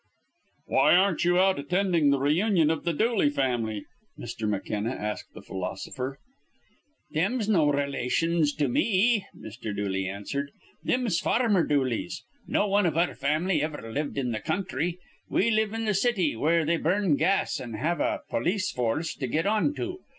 "Why aren't you out attending the reunion of the Dooley family?" Mr. McKenna asked the philosopher. "Thim's no rel ations to me," Mr. Dooley answered. "Thim's farmer Dooleys. No wan iv our fam'ly iver lived in th' counthry. We live in th' city, where they burn gas an' have a polis foorce to get on to.